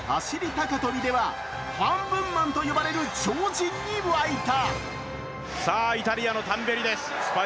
高跳びでは、半分マンと呼ばれる超人に沸いた。